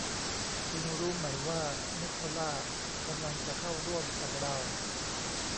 คุณรู้ไหมว่านิโคล่ากำลังจะเข้าร่วมกับเรา